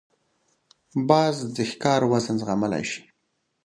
باز د ښکار وزن زغملای شي